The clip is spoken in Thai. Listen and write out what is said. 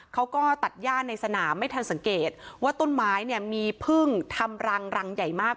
เขาก็ตัดย่าในสนามไม่ทันสังเกตว่าต้นไม้เนี่ยมีพึ่งทำรังรังใหญ่มาก